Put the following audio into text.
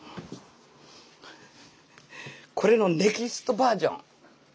これのネクストバージョン。